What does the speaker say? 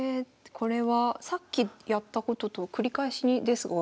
これはさっきやったことと繰り返しですが。